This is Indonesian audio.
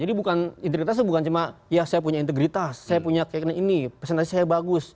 jadi bukan integritas itu bukan cuma ya saya punya integritas saya punya kayak gini presentasi saya bagus